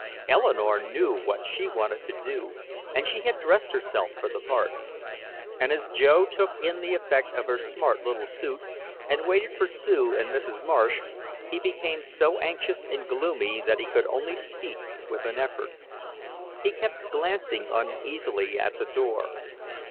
Eleanore knew what she wanted to do and she had dressed herself for the part. And as Joe took in the effect of her smart little suit, and waited for Sue and Mrs. Marsh, he became so anxious and gloomy that he could only speak with an effort. He kept glancing uneasily at the door.